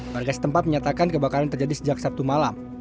warga setempat menyatakan kebakaran terjadi sejak sabtu malam